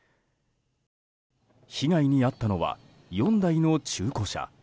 被害に遭ったのは４台の中古車。